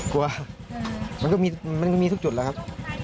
กลัวมันก็มีทุกจุดแล้วครับ